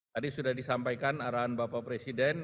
tadi sudah disampaikan arahan bapak presiden